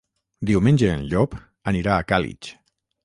Diumenge en Llop anirà a Càlig.